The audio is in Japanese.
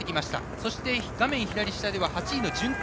そして、画面左下では８位の順天。